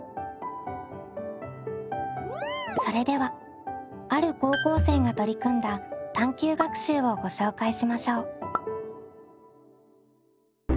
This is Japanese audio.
それではある高校生が取り組んだ探究学習をご紹介しましょう。